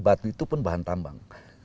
batu itu pun bahan tambang